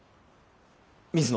水野。